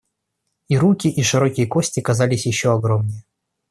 И руки и широкие кости казались еще огромнее.